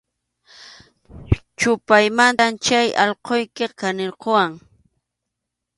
Chʼupaymantam chay allquyki kanirquwan.